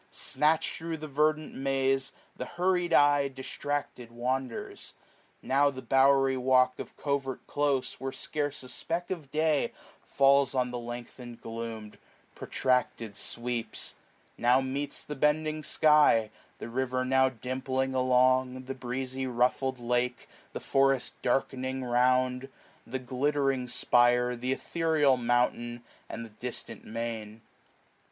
Suatch'd thro* the verdaat maze, the hurried eye $15 SPRING. 2t Distracted wanders ; now the bowery walk Of covert close, where scarce a speck of day Falls on the lengthened gloom, protracted sweeps : Now meets the bending sky ; the river now Dimpling along, the breezy ruffled lake, 520 The forest darkening round, the glittering spire, Th' ethereal mountain, and the distant main.